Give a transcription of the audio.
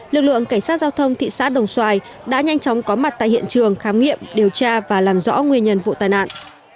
lực lượng cảnh sát giao thông thị xã đồng xoài đã nhanh chóng có mặt tại hiện trường khám nghiệm điều tra và làm rõ nguyên nhân vụ tai nạn